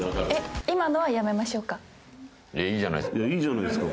いいじゃないですか。